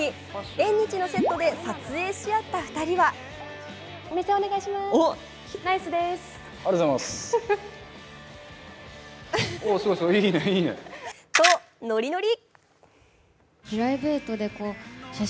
縁日のセットで撮影し合った２人はとノリノリ。